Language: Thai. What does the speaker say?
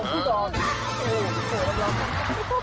พี่ปุ๊บ